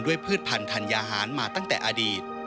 ด้วยพืชพันธ์ทันยาหารมาตั้งแต่อดีต